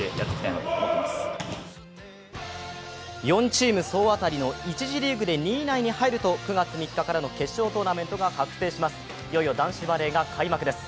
４チーム総当たりの１次リーグで２位以内に入ると９月３日からの決勝トーナメントが決定します。